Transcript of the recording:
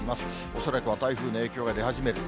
恐らくは台風の影響が出始める。